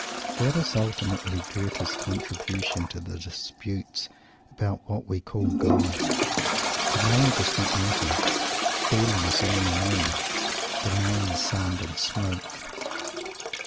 That is ultimately Goethe's contribution to the disputes about what we call "God." The name does not matter. "Feeling is all in all. The name is sound and smoke."